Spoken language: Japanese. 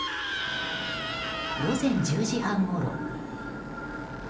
午前１０時半ごろ。